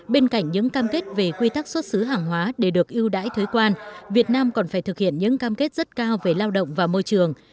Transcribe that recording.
bên cạnh những cam kết về quy tắc xuất xứ hàng hóa để được ưu đãi thuế quan việt nam còn phải thực hiện những cam kết rất cao về lao động và môi trường